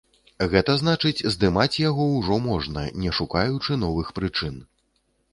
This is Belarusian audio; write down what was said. Гэта значыць, здымаць яго ўжо можна, не шукаючы новых прычын.